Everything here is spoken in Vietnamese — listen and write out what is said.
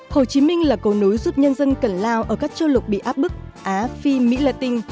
hồ chí minh là cầu nối giúp nhân dân cần lao ở các châu lục bị áp bức á phi mỹ latin